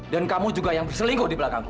dan kamu juga yang berselingkuh di belakangku